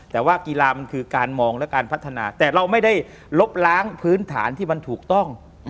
แต่ว่ากีฬามันคือการมองและการพัฒนาแต่เราไม่ได้ลบล้างพื้นฐานที่มันถูกต้อง